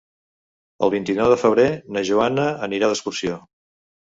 El vint-i-nou de febrer na Joana anirà d'excursió.